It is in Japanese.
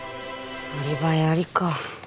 アリバイありか。